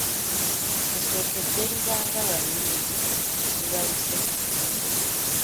Kasookedde luba nga lwa mmindi; luba Luseke.